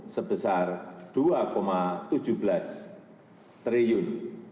sebesar rp dua tujuh belas triliun